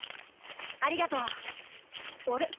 ありがとう。あれ？